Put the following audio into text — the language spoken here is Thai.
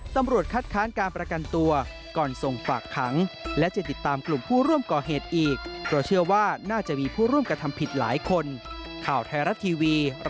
ตำรวจคัดค้างการประกันตัว